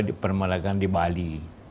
dipermalakan di bali